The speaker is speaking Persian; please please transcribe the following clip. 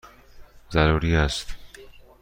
ضروری است!